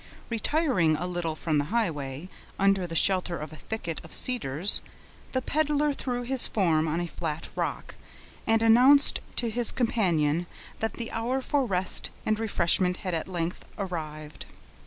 Retiring a little from the highway, under the shelter of a thicket of cedars, the peddler threw his form on a flat rock, and announced to his companion that the hour for rest and refreshment was at length arrived.